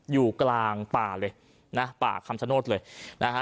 อยู่กลางป่าเลยนะป่าคำชโนธเลยนะฮะ